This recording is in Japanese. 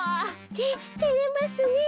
ててれますねえ。